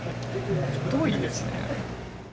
太いですね。